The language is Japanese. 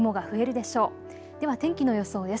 では天気の予想です。